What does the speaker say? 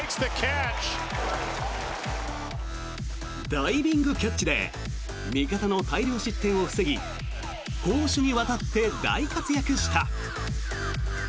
ダイビングキャッチで味方の大量失点を防ぎ攻守にわたって大活躍した。